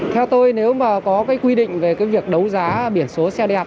theo tôi nếu mà có quy định về việc đấu giá biển số xe đẹp